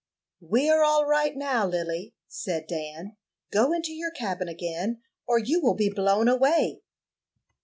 "We are all right now, Lily," said Dan. "Go into your cabin again, or you will be blown away."